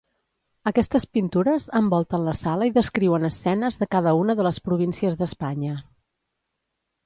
Aquestes pintures envolten la sala i descriuen escenes de cada una de les províncies d'Espanya.